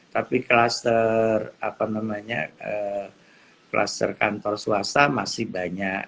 tapi klaster kantor swasta masih banyak